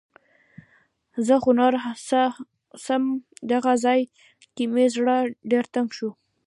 زه خو نوره څم. دغه ځای کې مې زړه ډېر تنګ شو.